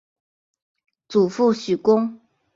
祖父许恭。